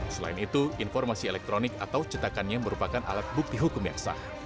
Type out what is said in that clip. selain itu informasi elektronik atau cetakannya merupakan alat bukti hukum yang sah